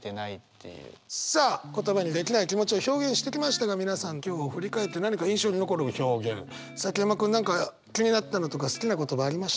さあ言葉にできない気持ちを表現してきましたが皆さん今日振り返って何か印象に残る表現崎山君何か気になったのとか好きな言葉ありました？